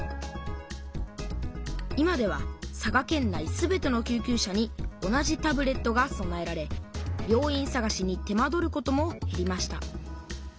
今では佐賀県内全ての救急車に同じタブレットがそなえられ病院さがしに手間取ることもへりました。